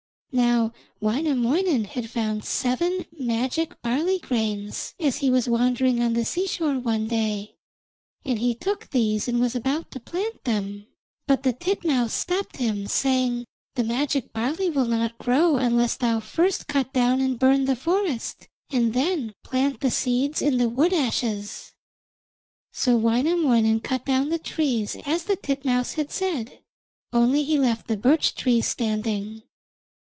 Now Wainamoinen had found seven magic barley grains as he was wandering on the seashore one day, and he took these and was about to plant them; but the titmouse stopped him, saying: 'The magic barley will not grow unless thou first cut down and burn the forest, and then plant the seeds in the wood ashes.' So Wainamoinen cut down the trees as the titmouse had said, only he left the birch trees standing.